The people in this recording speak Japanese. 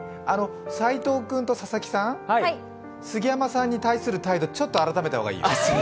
齋藤君と佐々木さん、杉山さんに対する態度、ちょっと改めた方がいいよ？